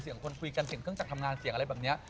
คนคุยกันเสียงเครื่องจักรทำงานเสียงอะไรแบบนี้